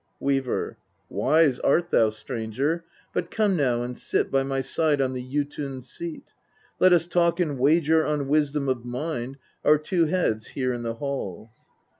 Weaver. 19. Wise art thou, stranger, but come now and sit by my side on the Jotun's seat ; let us talk and wager on wisdom of mind our two heads here in the hall.